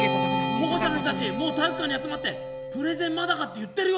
保護者の人たちもう体育館に集まって「プレゼンまだか」って言ってるよ！